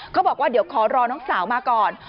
เขาบอกว่าเดี๋ยวขอรอน้องสาวมาก่อน